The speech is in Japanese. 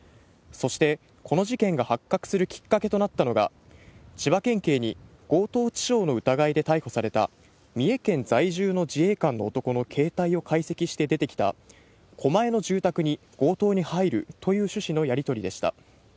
そして、この事件が発覚するきっかけとなったのが、千葉県警に強盗致傷の疑いで逮捕された、三重県在住の自衛官の男の携帯を解析して出てきた、狛江の住宅に強盗に入るという趣旨のやり取りでした。